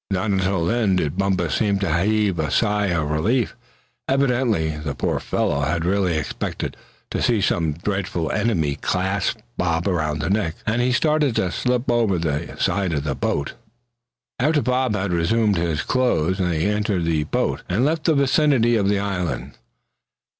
Not until then did Bumpus seem to heave a sigh of relief. Evidently the poor fellow had really expected to see some dreadful enemy clasp Bob around the neck as he started to slip over the side of the boat. After Bob had resumed his clothes, they entered the boat, and left the vicinity of the island.